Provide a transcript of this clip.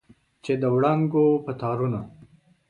چې د وړانګو په تارونو